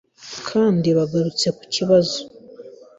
kandi bagarutse ku kibazo